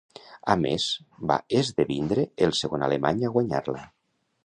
A més, va esdevindre el segon alemany a guanyar-la.